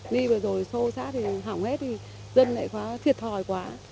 ni vừa rồi xô xát thì hỏng hết thì dân lại thiệt thòi quá